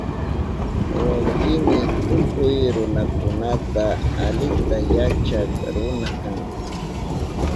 Wawkini tukuy ruranakunata alita yachak runa kan